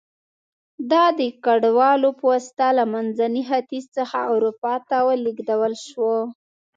دا د کډوالو په واسطه له منځني ختیځ څخه اروپا ته ولېږدول شوه